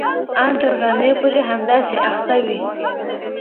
ان تر غرمې پورې همداسې اخته وي.